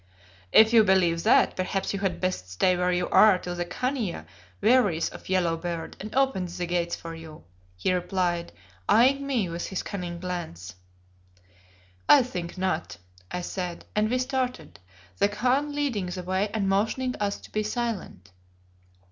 "If you believe that perhaps you had best stay where you are till the Khania wearies of Yellow beard and opens the gates for you," he replied, eyeing me with his cunning glance. "I think not," I said, and we started, the Khan leading the way and motioning us to be silent.